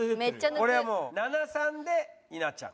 これはもう７：３で稲ちゃん。